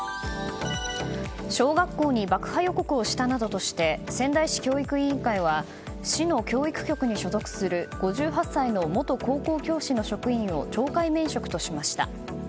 小学校に爆破予告をしたなどとして仙台市教育委員会は市の教育局に所属する５８歳の元高校教師の職員を懲戒免職としました。